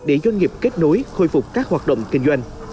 để doanh nghiệp kết nối khôi phục các hoạt động kinh doanh